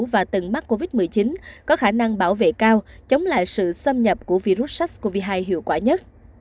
và từng mắc covid một mươi chín có khả năng bảo vệ cao chống lại sự xâm nhập của virus sars cov hai hiệu quả nhất